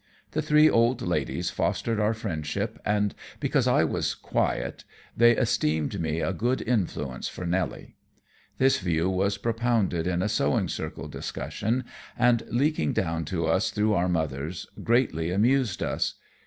The three old ladies fostered our friendship, and because I was "quiet," they esteemed me a good influence for Nelly. This view was propounded in a sewing circle discussion and, leaking down to us through our mothers, greatly amused us.